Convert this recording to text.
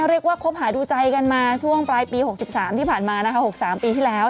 คบหาดูใจกันมาช่วงปลายปี๖๓ที่ผ่านมานะคะ๖๓ปีที่แล้ว